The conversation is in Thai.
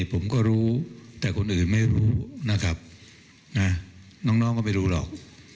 ผมก็รู้แต่คนอื่นไม่รู้นะครับนะน้องก็ไม่รู้หรอก